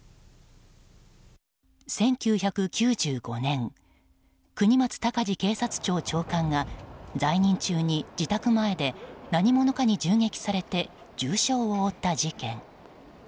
１９９５年国松孝次警察庁長官が在任中に自宅前で何者かに銃撃されて重傷を負った事件。